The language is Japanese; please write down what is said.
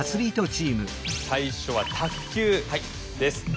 最初は「卓球」です。